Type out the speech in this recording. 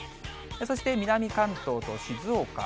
そして南関東と静岡。